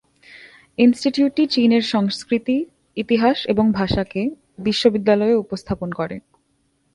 ইনস্টিটিউটটি চীনের সংস্কৃতি, ইতিহাস এবং ভাষাকে বিশ্ববিদ্যালয়ে উপস্থাপন করে।